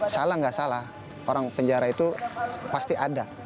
salah nggak salah orang penjara itu pasti ada